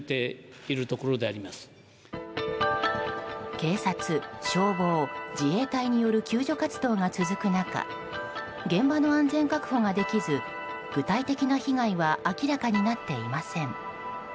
警察、消防、自衛隊による救助活動が続く中現場の安全確保ができず具体的な被害は明らかになっていません。